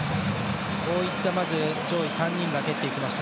こういった上位３人が蹴っていきました。